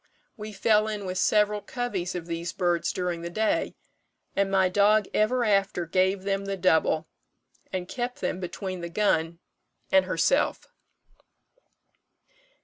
We fell in with several coveys of these birds during the day, and my dog ever after gave them the double, and kept them between the gun and herself."